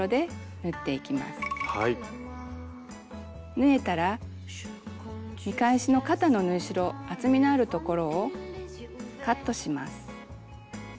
縫えたら見返しの肩の縫い代厚みのあるところをカットします。